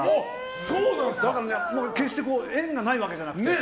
だから決して縁がないわけじゃなくて。